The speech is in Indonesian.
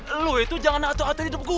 eh lo itu jangan atuh atuh hidup gue